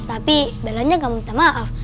tapi bellanya gak minta maaf